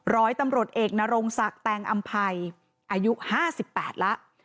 ร้อยตำรวจเอกนรงศักดิ์แตงอำภัยอายุ๕๘แล้ว